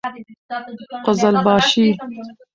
قـــزلــباشــــــــــي